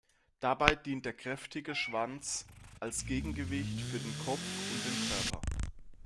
Dabei dient der kräftige Schwanz als Gegengewicht für den Kopf und den Körper.